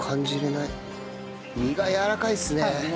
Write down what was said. はい身がやわらかいですね。